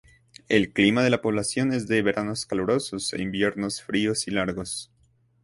El clima de la población es de veranos calurosos e inviernos fríos y largos.